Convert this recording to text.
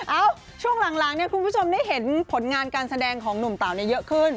เอ้าช่วงหลังเนี่ยคุณผู้ชมได้เห็นผลงานการแสดงของหนุ่มเต๋าเยอะขึ้น